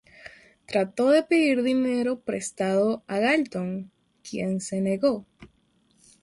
Trató de pedir dinero prestado a Galton, quien se negó.